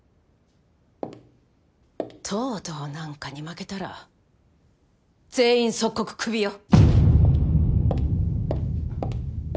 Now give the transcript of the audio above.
東堂なんかに負けたら全員即刻クビよ。